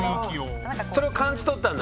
それを感じ取ったんだ